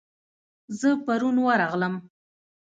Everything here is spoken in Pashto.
زه پرون درغلم